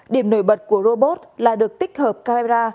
điểm nổi bật của robot là được tích hợp camera